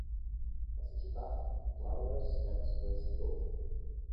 La società Travelers Express Co.